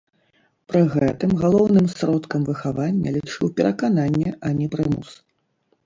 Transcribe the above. Пры гэтым галоўным сродкам выхавання лічыў перакананне, а не прымус.